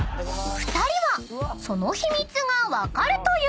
［２人はその秘密が分かるという場所へ］